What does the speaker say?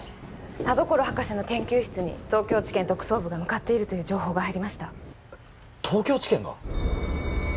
田所博士の研究室に東京地検特捜部が向かっているという情報が入りました東京地検が！？